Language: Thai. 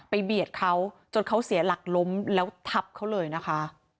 เบียดเขาจนเขาเสียหลักล้มแล้วทับเขาเลยนะคะ